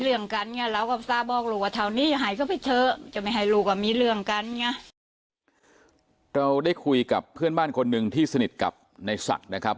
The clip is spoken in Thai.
เราได้คุยกับเพื่อนบ้านคนหนึ่งที่สนิทกับในศักดิ์นะครับ